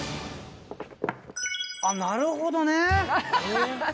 なるほどね！